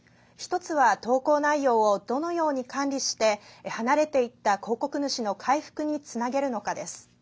１つは投稿内容をどのように管理して離れていった広告主の回復につなげるのかです。